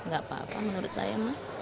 gak apa apa menurut saya mah